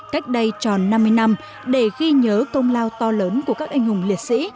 cách đây tròn năm mươi năm để ghi nhớ công lao to lớn của các anh hùng liệt sĩ